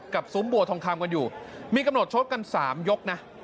ซุ้มบัวทองคำกันอยู่มีกำหนดชกกัน๓ยกนะ